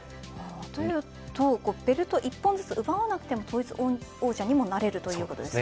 というと、ベルト一本ずつ奪わなくても統一王者にもなれるということですか。